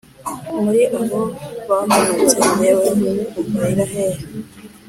Muri abo bahonotse Jyewe umbarira hehe?